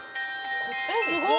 「すごい！」